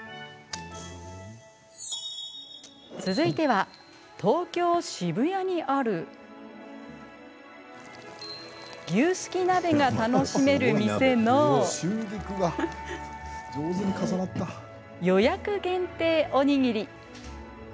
続いては、東京・渋谷にある牛すき鍋が楽しめる店の予約限定おにぎり。